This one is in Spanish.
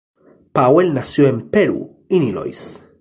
Powell nació en Peru, Illinois.